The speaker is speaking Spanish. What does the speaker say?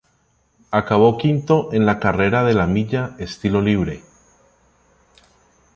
Acabó quinto en la carrera de la milla estilo libre.